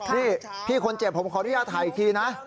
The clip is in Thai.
นี่พี่คนเจ็บผมขออนุญาตถ่ายอีกทีนะ